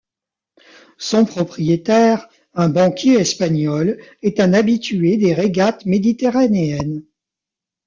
Son propriétaire, un banquier espagnol, est un habitué des régates méditerranéennes.